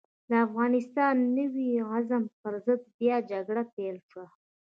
د افغانستان د نوي عزم پر ضد بيا جګړه پيل شوه.